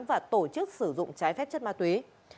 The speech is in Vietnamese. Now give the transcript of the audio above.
và tổ chức sử dụng trái phép chất ma túy